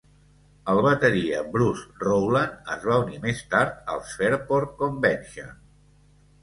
El bateria Bruce Rowland es va unir més tard als Fairport Convention.